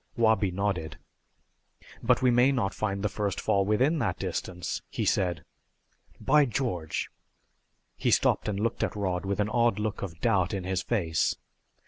Wabi nodded. "But we may not find the first fall within that distance," he said. "By George " He stopped and looked at Rod with an odd look of doubt in his face.